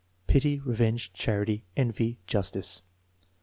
Pity; revenge; charity; envy; justice.